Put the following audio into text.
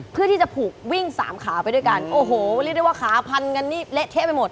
เพื่อที่จะผูกวิ่งสามขาไปด้วยกันโอ้โหเรียกได้ว่าขาพันกันนี่เละเทะไปหมด